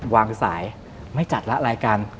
วางสายไม่จัดละรายการ